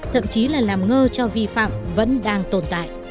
thậm chí là làm ngơ cho vi phạm vẫn đang tồn tại